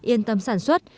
yên tâm sản xuất